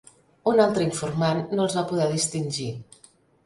Un altre informant no els va poder distingir.